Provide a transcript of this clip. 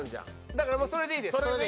だからもうそれでいいです。